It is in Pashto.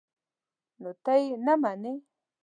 _نو ته يې نه منې؟